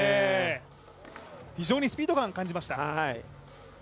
非常にスピード感を感じました。